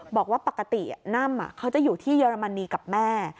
บอกว่าปกติน่ำเขาจะอยู่ที่เยอรมนีกับแม่